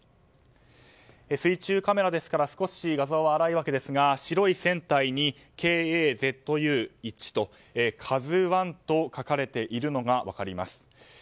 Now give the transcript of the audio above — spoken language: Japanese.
水中カメラですから画像は粗いわけですが白い船体に「Ｋ、Ａ、Ｚ、Ｕ、１」「ＫＡＺＵ１」と書かれているのが分かります。